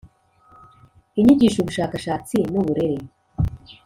inyigisho ubushakashatsi n uburere